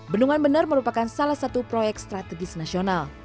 bendungan benar merupakan salah satu proyek strategis nasional